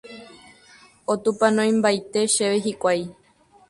Otupanoimbaite chéve hikuái.